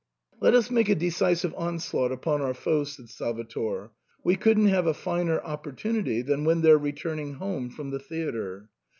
"Let us make a decisive onslaught upon our foes," said Salvator ;" we couldn't have a finer opportunity than when they're returning home from the theatre."